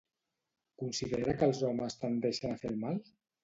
Considera que els homes tendeixen a fer el mal?